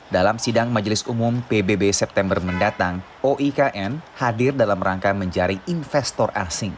dalam sidang majelis umum pbb september mendatang oikn hadir dalam rangka menjaring investor asing